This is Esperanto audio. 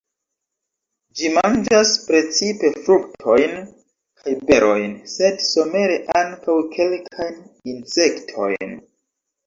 Ĝi manĝas precipe fruktojn kaj berojn, sed somere ankaŭ kelkajn insektojn.